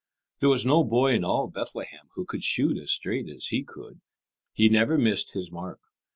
There was no boy in all Bethlehem who could shoot as straight as he could. He never missed his mark.